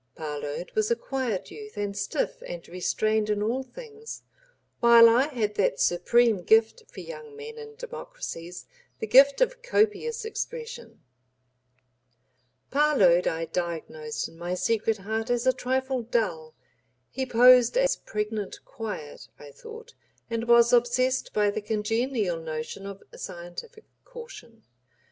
Parload was a quiet youth, and stiff and restrained in all things, while I had that supreme gift for young men and democracies, the gift of copious expression. Parload I diagnosed in my secret heart as a trifle dull; he posed as pregnant quiet, I thought, and was obsessed by the congenial notion of "scientific caution."